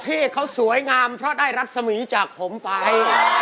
เพศเขาสวยงามเพราะได้รัศมีจากผมไป